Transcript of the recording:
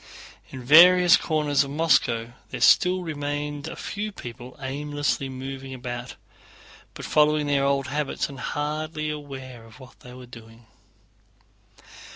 In various corners of Moscow there still remained a few people aimlessly moving about, following their old habits and hardly aware of what they were doing.